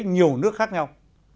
nhiều nước khác nhau